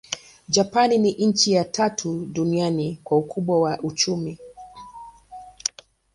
Japani ni nchi ya tatu duniani kwa ukubwa wa uchumi.